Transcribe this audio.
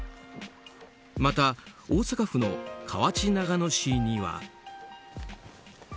また、大阪府の河内長野市には。